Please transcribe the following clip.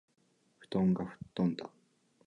布団が吹っ飛んだ